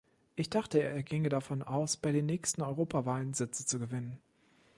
Ich dachte, er ginge davon aus, bei den nächsten Europawahlen Sitze zu gewinnen.